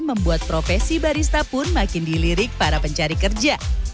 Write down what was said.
membuat profesi barista pun makin dilirik para pencari kerja